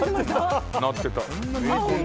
なってた。